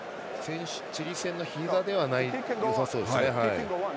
チリ戦のひざではなさそうですね。